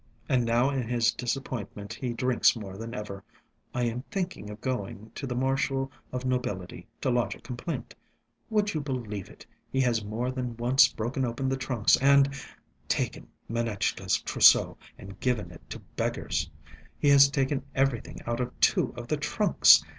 And now in his disappointment he drinks more than ever. I am thinking of going to the Marshal of Nobility to lodge a complaint. Would you believe it, he has more than once broken open the trunks and ... taken Manetchka's trousseau and given it to beggars. He has taken everything out of two of the trunks!